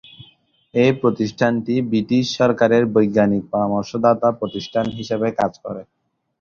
এই প্রতিষ্ঠানটি ব্রিটিশ সরকারের বৈজ্ঞানিক পরামর্শদাতা প্রতিষ্ঠান হিসেবে কাজ করে।